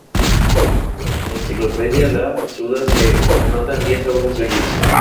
En la enciclopedia la "Suda" se anotan diez obras suyas.